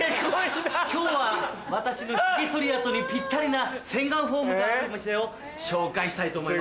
今日は私のヒゲそりあとにぴったりな洗顔フォームがある店を紹介したいと思います。